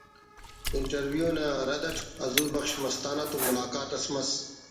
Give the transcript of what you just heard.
انٹرویو نا رد اٹ حضور بخش مستانہ تو ملاقات اس مس